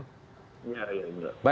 ya ya enggak